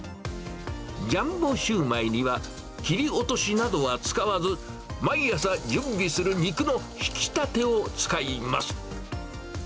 ジャンボシューマイには、切り落としなどは使わず毎朝準備する肉のひきたてを使います。